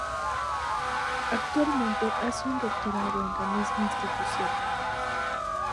Actualmente hace un doctorado en la misma institución.